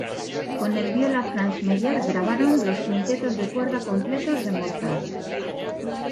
Con el viola Franz Beyer, grabaron los Quintetos de Cuerda completos de Mozart.